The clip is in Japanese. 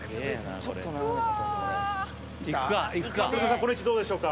この位置、どうでしょうか。